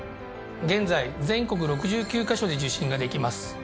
現在全国６９か所で受診ができます。